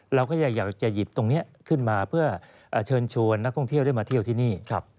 เราก็อยากจะหยิบตรงนี้ขึ้นมาเพื่อเชิญชวนนักท่องเที่ยวได้มาเที่ยวที่นี่